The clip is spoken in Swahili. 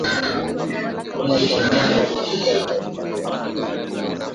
Wanyama waliokomaa wako katika hatari zaidi kuliko wachanga